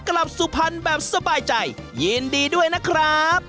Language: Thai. กลับสู่พันธุ์แบบสบายใจยินดีด้วยนะครับ